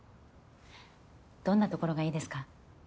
どんなところがいいですか？